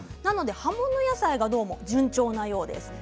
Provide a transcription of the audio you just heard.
葉物野菜がどうも順調なようです。